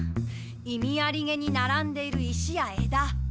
意味ありげにならんでいる石やえだ。